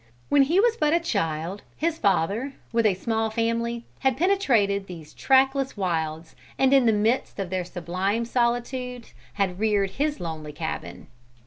When he was but a child, his father, with a small family, had penetrated these trackless wilds, and in the midst of their sublime solitudes had reared his lonely cabin.